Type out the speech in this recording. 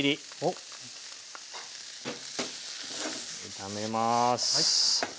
炒めます。